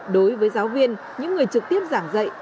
đối với giáo viên những người trực tiếp giảng dạy